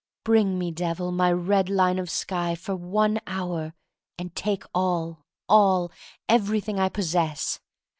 Bring me. Devil, my red line of sky for one hour and take all, all — everything I possess.